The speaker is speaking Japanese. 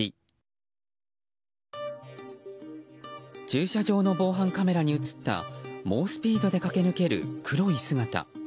駐車場の防犯カメラに映った猛スピードで駆け抜ける黒い姿。